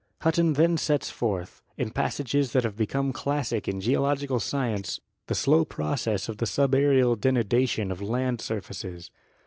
Hutton then sets forth, in passages that have become classic in geological science, the slow processes of the subaerial denudation of land surfaces.